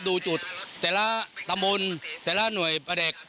ดูจุดแต่ละตำบลแต่ละหน่วยประเด็ก